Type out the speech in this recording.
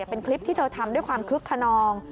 เป็นคลิปที่เธอทำด้วยความคึกขนอง